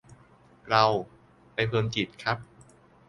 เรา : ไปเพลินจิตครับ